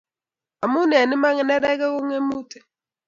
amu eng iman nerekek ko ngemutik.